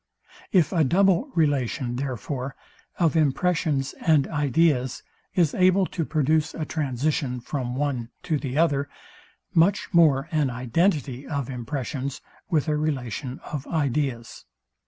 If a double relation, therefore, of impressions and ideas is able to produce a transition from one to the other, much more an identity of impressions with a relation of ideas.